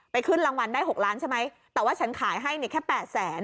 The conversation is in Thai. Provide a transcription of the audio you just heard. ขึ้นรางวัลได้๖ล้านใช่ไหมแต่ว่าฉันขายให้เนี่ยแค่แปดแสน